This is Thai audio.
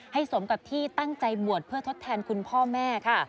สมกับที่ตั้งใจบวชเพื่อทดแทนคุณพ่อแม่ค่ะ